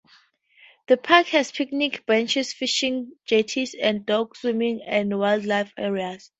The park has picnic benches, fishing jetties and dog-swimming and wildlife areas.